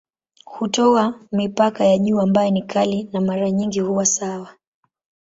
Hutoa mipaka ya juu ambayo ni kali na mara nyingi huwa sawa.